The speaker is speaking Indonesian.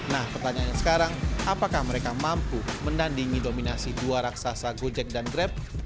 nah pertanyaannya sekarang apakah mereka mampu mendandingi dominasi dua raksasa gojek dan grab